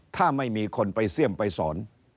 ถ้าไม่มีคนไปเสี่ยมไปสอน